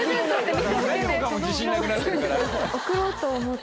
何もかも自信なくなってるから。